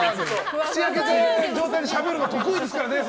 口開けた状態でしゃべるの得意ですからね。